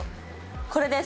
これです。